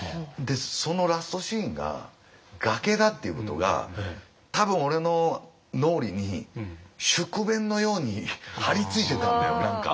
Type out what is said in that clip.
そのラストシーンが崖だっていうことが多分俺の脳裏に宿便のように張り付いてたんだよ何か。